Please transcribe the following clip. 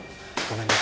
ごめんね。